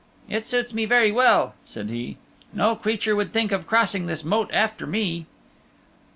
"It suits me very well," said he; "no creature would think of crossing this moat after me."